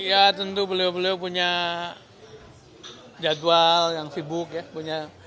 ya tentu beliau beliau punya jadwal yang sibuk ya